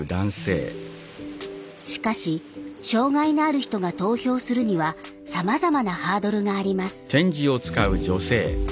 しかし障害のある人が投票するにはさまざまなハードルがあります。